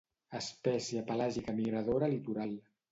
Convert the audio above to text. Espècie pelàgica migradora litoral.